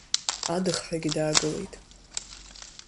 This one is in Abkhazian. Адыхҳәагьы даагылеит.